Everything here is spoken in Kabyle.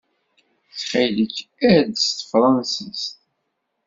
Ttxil-k, err-d s tefṛansist.